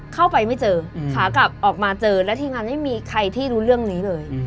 เข้าไปไม่เจอขากลับออกมาเจอและทีมงานไม่มีใครที่รู้เรื่องนี้เลย